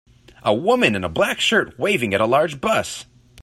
A woman in a black shirt waving at a large bus.